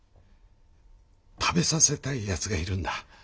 食べさせたい奴がいるんだ。